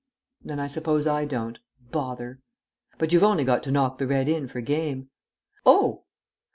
"Then I suppose I don't. Bother." "But you've only got to knock the red in for game." "Oh!...